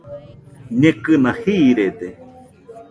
Ñekɨna jiiride